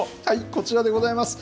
こちらでございます。